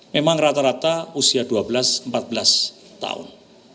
memang rata rata usia dua belas empat belas tahun